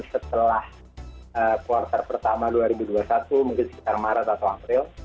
setelah kuartal pertama dua ribu dua puluh satu mungkin sekitar maret atau april